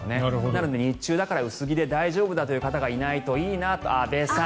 なので日中だから薄着で大丈夫だという方がいないといいなと。